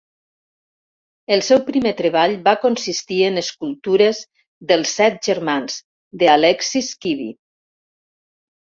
El seu primer treball va consistir en escultures dels "Set Germans" de Aleksis Kivi.